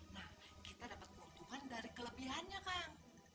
nah kita dapat keuntungan dari kelebihannya kang